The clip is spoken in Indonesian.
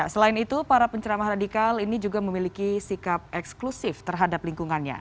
selain itu para penceramah radikal ini juga memiliki sikap eksklusif terhadap lingkungannya